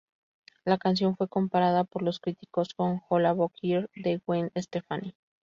La canción fue comparada por los críticos con "Hollaback Girl" de Gwen Stefani.